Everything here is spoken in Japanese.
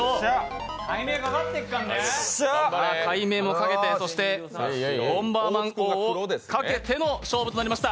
改名もかけて、そしてボンバーマン王をかけての勝負となりました。